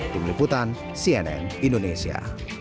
tim liputan cnn indonesia